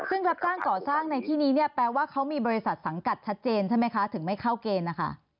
ซึ่งรับจ้างก่อสร้างในที่นี้เนี่ยแปลว่าเขามีบริษัทสังกัดชัดเจนใช่ไหมคะถึงไม่เข้าเกณฑ์นะคะ